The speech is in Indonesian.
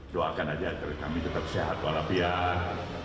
doakan aja agar kami tetap sehat walau biar